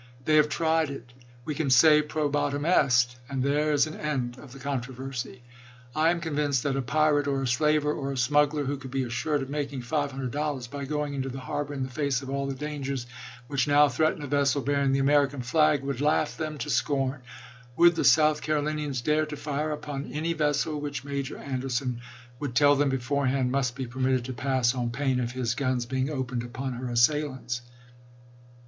They have tried it ; we can say probatum est ; and there is an end of the controversy. I am con vinced that a pirate, or a slaver, or a smuggler who could be assured of making five hundred dollars by going into the harbor in the face of all the dangers which now threaten a vessel bearing the American flag, would laugh them to scorn. .. Would the South Carolinians dare to fire upon any vessel which Major Anderson would tell them beforehand must be permitted to pass on pain of his guns being opened upon her assailants?